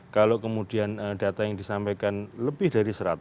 kalau kemudian data yang disampaikan lebih dari seratus